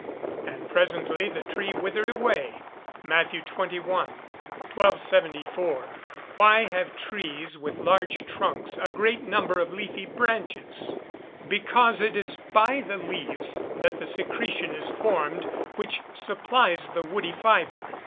And presently the tree withered away." MATTHEW XXI.] 1274. Why have trees with large trunks a great number of leafy branches? Because it is by the leaves that the secretion is formed which supplies the woody fibre.